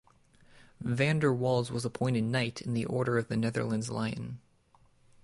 Van der Waals was appointed Knight in the Order of the Netherlands Lion.